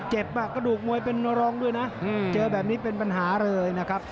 กระดูกมวยเป็นรองด้วยนะเจอแบบนี้เป็นปัญหาเลยนะครับ